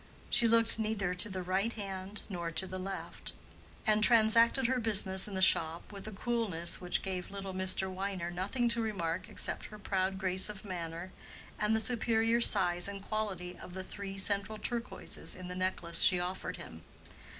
She looked neither to the right hand nor to the left, and transacted her business in the shop with a coolness which gave little Mr. Wiener nothing to remark except her proud grace of manner, and the superior size and quality of the three central turquoises in the necklace she offered him.